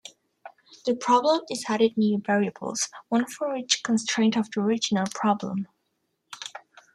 The problem is added new variables, one for each constraint of the original problem.